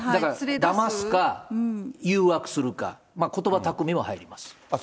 だから、誘惑するか、まあ、ことば巧みも入ります。